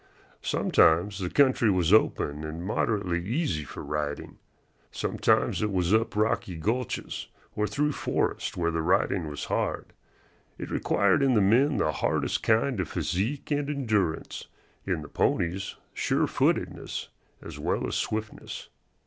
Sometimes the country was open and moderately easy for riding. Sometimes it was up rocky gulches or through forests where the riding was hard. It required in the men the hardest kind of physique and endurance, in the ponies surefootedness as well as swiftness.